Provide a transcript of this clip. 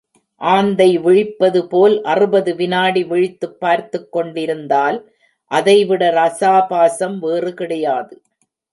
ஆந்தை விழிப்பது போல் அறுபது விநாடி விழித்துப் பார்த்துக் கொண்டிருந்தால், அதைவிட ரசாபாசம் வேறு கிடையாது.